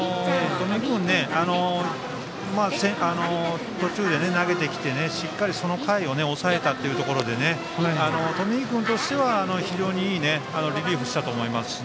冨井君、途中で投げてきてしっかりその回を抑えたということで冨井君としては非常にいいリリーフをしたと思います。